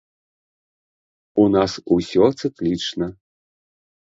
У нас усё цыклічна.